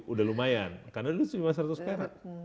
udah lumayan karena dulu cuma seratus perak